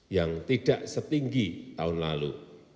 yang tidak setinggi tahun lalu